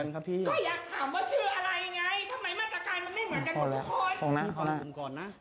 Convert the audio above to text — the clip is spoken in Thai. ก็อยากถามว่าชื่ออะไรไงทำไมมาตรการมันไม่เหมือนกันกับทุกคน